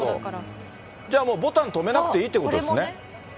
じゃあもうボタン留めなくていいってことですね？